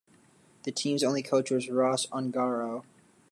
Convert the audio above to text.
The team's only coach was Ross Ongaro.